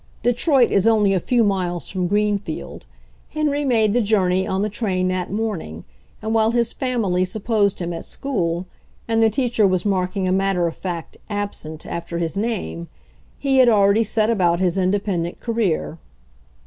Detroit is only a few miles from Greenfield. Henry made the journey on the train that morn ing, and while his family supposed him at school and the teacher was marking a matter of fact "absent" after his name, he had already set about his independent career.